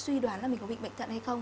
suy đoán là mình có bị bệnh thận hay không